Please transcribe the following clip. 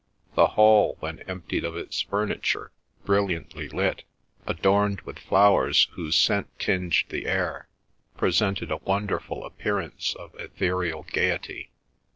The hall, when emptied of its furniture, brilliantly lit, adorned with flowers whose scent tinged the air, presented a wonderful appearance of ethereal gaiety.